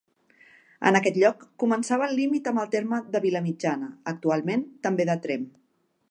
En aquest lloc començava el límit amb el terme de Vilamitjana, actualment també de Tremp.